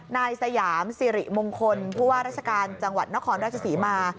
นายสยามสิริมงคลผู้ว่าราชการจังหวัดนครราชศรีมา